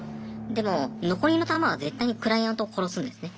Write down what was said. でも残りの弾は絶対にクライアントを殺すんですね。